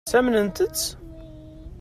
Ttamnent-tt?